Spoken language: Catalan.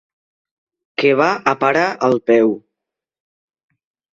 Que va a parar al peu.